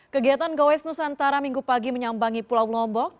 kegiatan gowes nusantara minggu pagi menyambangi pulau lombok